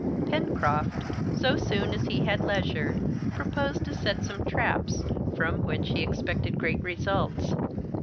Pencroft, so soon as he had leisure, proposed to set some traps, from which he expected great results.